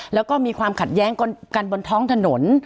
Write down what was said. แล้วก็มีความขัดแย้งกันบนท้องถนน